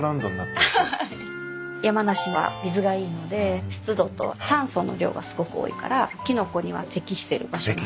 山梨は水がいいので湿度と酸素の量がすごく多いからキノコには適してる場所なんです。